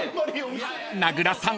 ［名倉さん